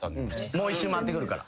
もう一周回ってくるから。